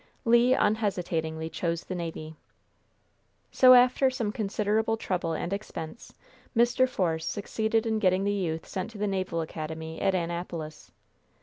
Le unhesitatingly chose the navy. So, after some considerable trouble and expense, Mr. Force succeeded in getting the youth sent to the Naval Academy at Annapolis.